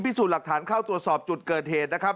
พิสูจน์หลักฐานเข้าตรวจสอบจุดเกิดเหตุนะครับ